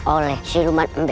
oleh siluman mbe